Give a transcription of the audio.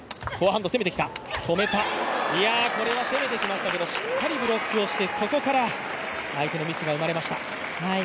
これは攻めてきましたけど、しっかりブロックをしてそこから相手のミスがありました。